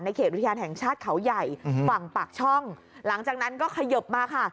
เขตอุทยานแห่งชาติเขาใหญ่ฝั่งปากช่องหลังจากนั้นก็ขยบมาค่ะ